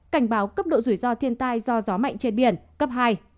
cảnh báo cấp độ rủi ro thiên tai do gió mạnh trên biển cấp hai